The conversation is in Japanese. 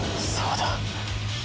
そうだ。